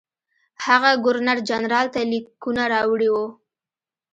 هغه ګورنرجنرال ته لیکونه راوړي وو.